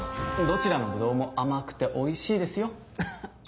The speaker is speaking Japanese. どちらのブドウも甘くておいしいですよアハっ。